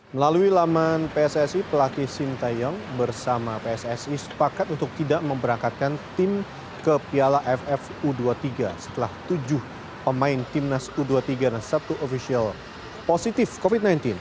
melalui laman pssi pelatih sintayong bersama pssi sepakat untuk tidak memberangkatkan tim ke piala ff u dua puluh tiga setelah tujuh pemain timnas u dua puluh tiga dan satu ofisial positif covid sembilan belas